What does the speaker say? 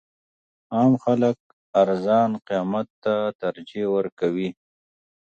عام خلک ارزان قیمت ته ترجیح ورکوي.